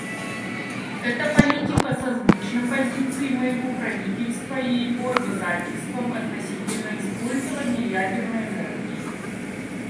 Эта политика созвучна позиции моего правительства и его обязательствам относительно использования ядерной энергии.